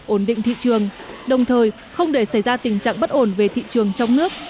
ổn định thị trường đồng thời không để xảy ra tình trạng bất ổn về thị trường trong nước